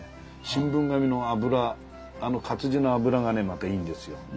新聞紙の油あの活字の油がねまたいいんですよ。